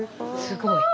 すごい。